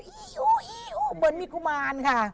อีฮู้อีฮู้เบิร์นมิกุมารค่ะ